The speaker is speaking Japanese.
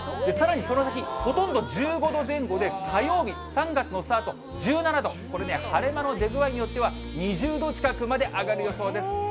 さらに、その先、ほとんど１５度前後で火曜日、３月のスタート、１７度、これね、晴れ間の出具合によっては２０度近くまで上がる予想です。